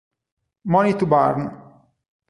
Money to Burn